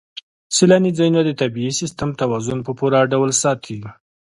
سیلاني ځایونه د طبعي سیسټم توازن په پوره ډول ساتي.